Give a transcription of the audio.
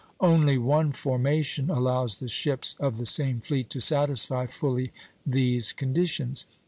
Only one formation allows the ships of the same fleet to satisfy fully these conditions.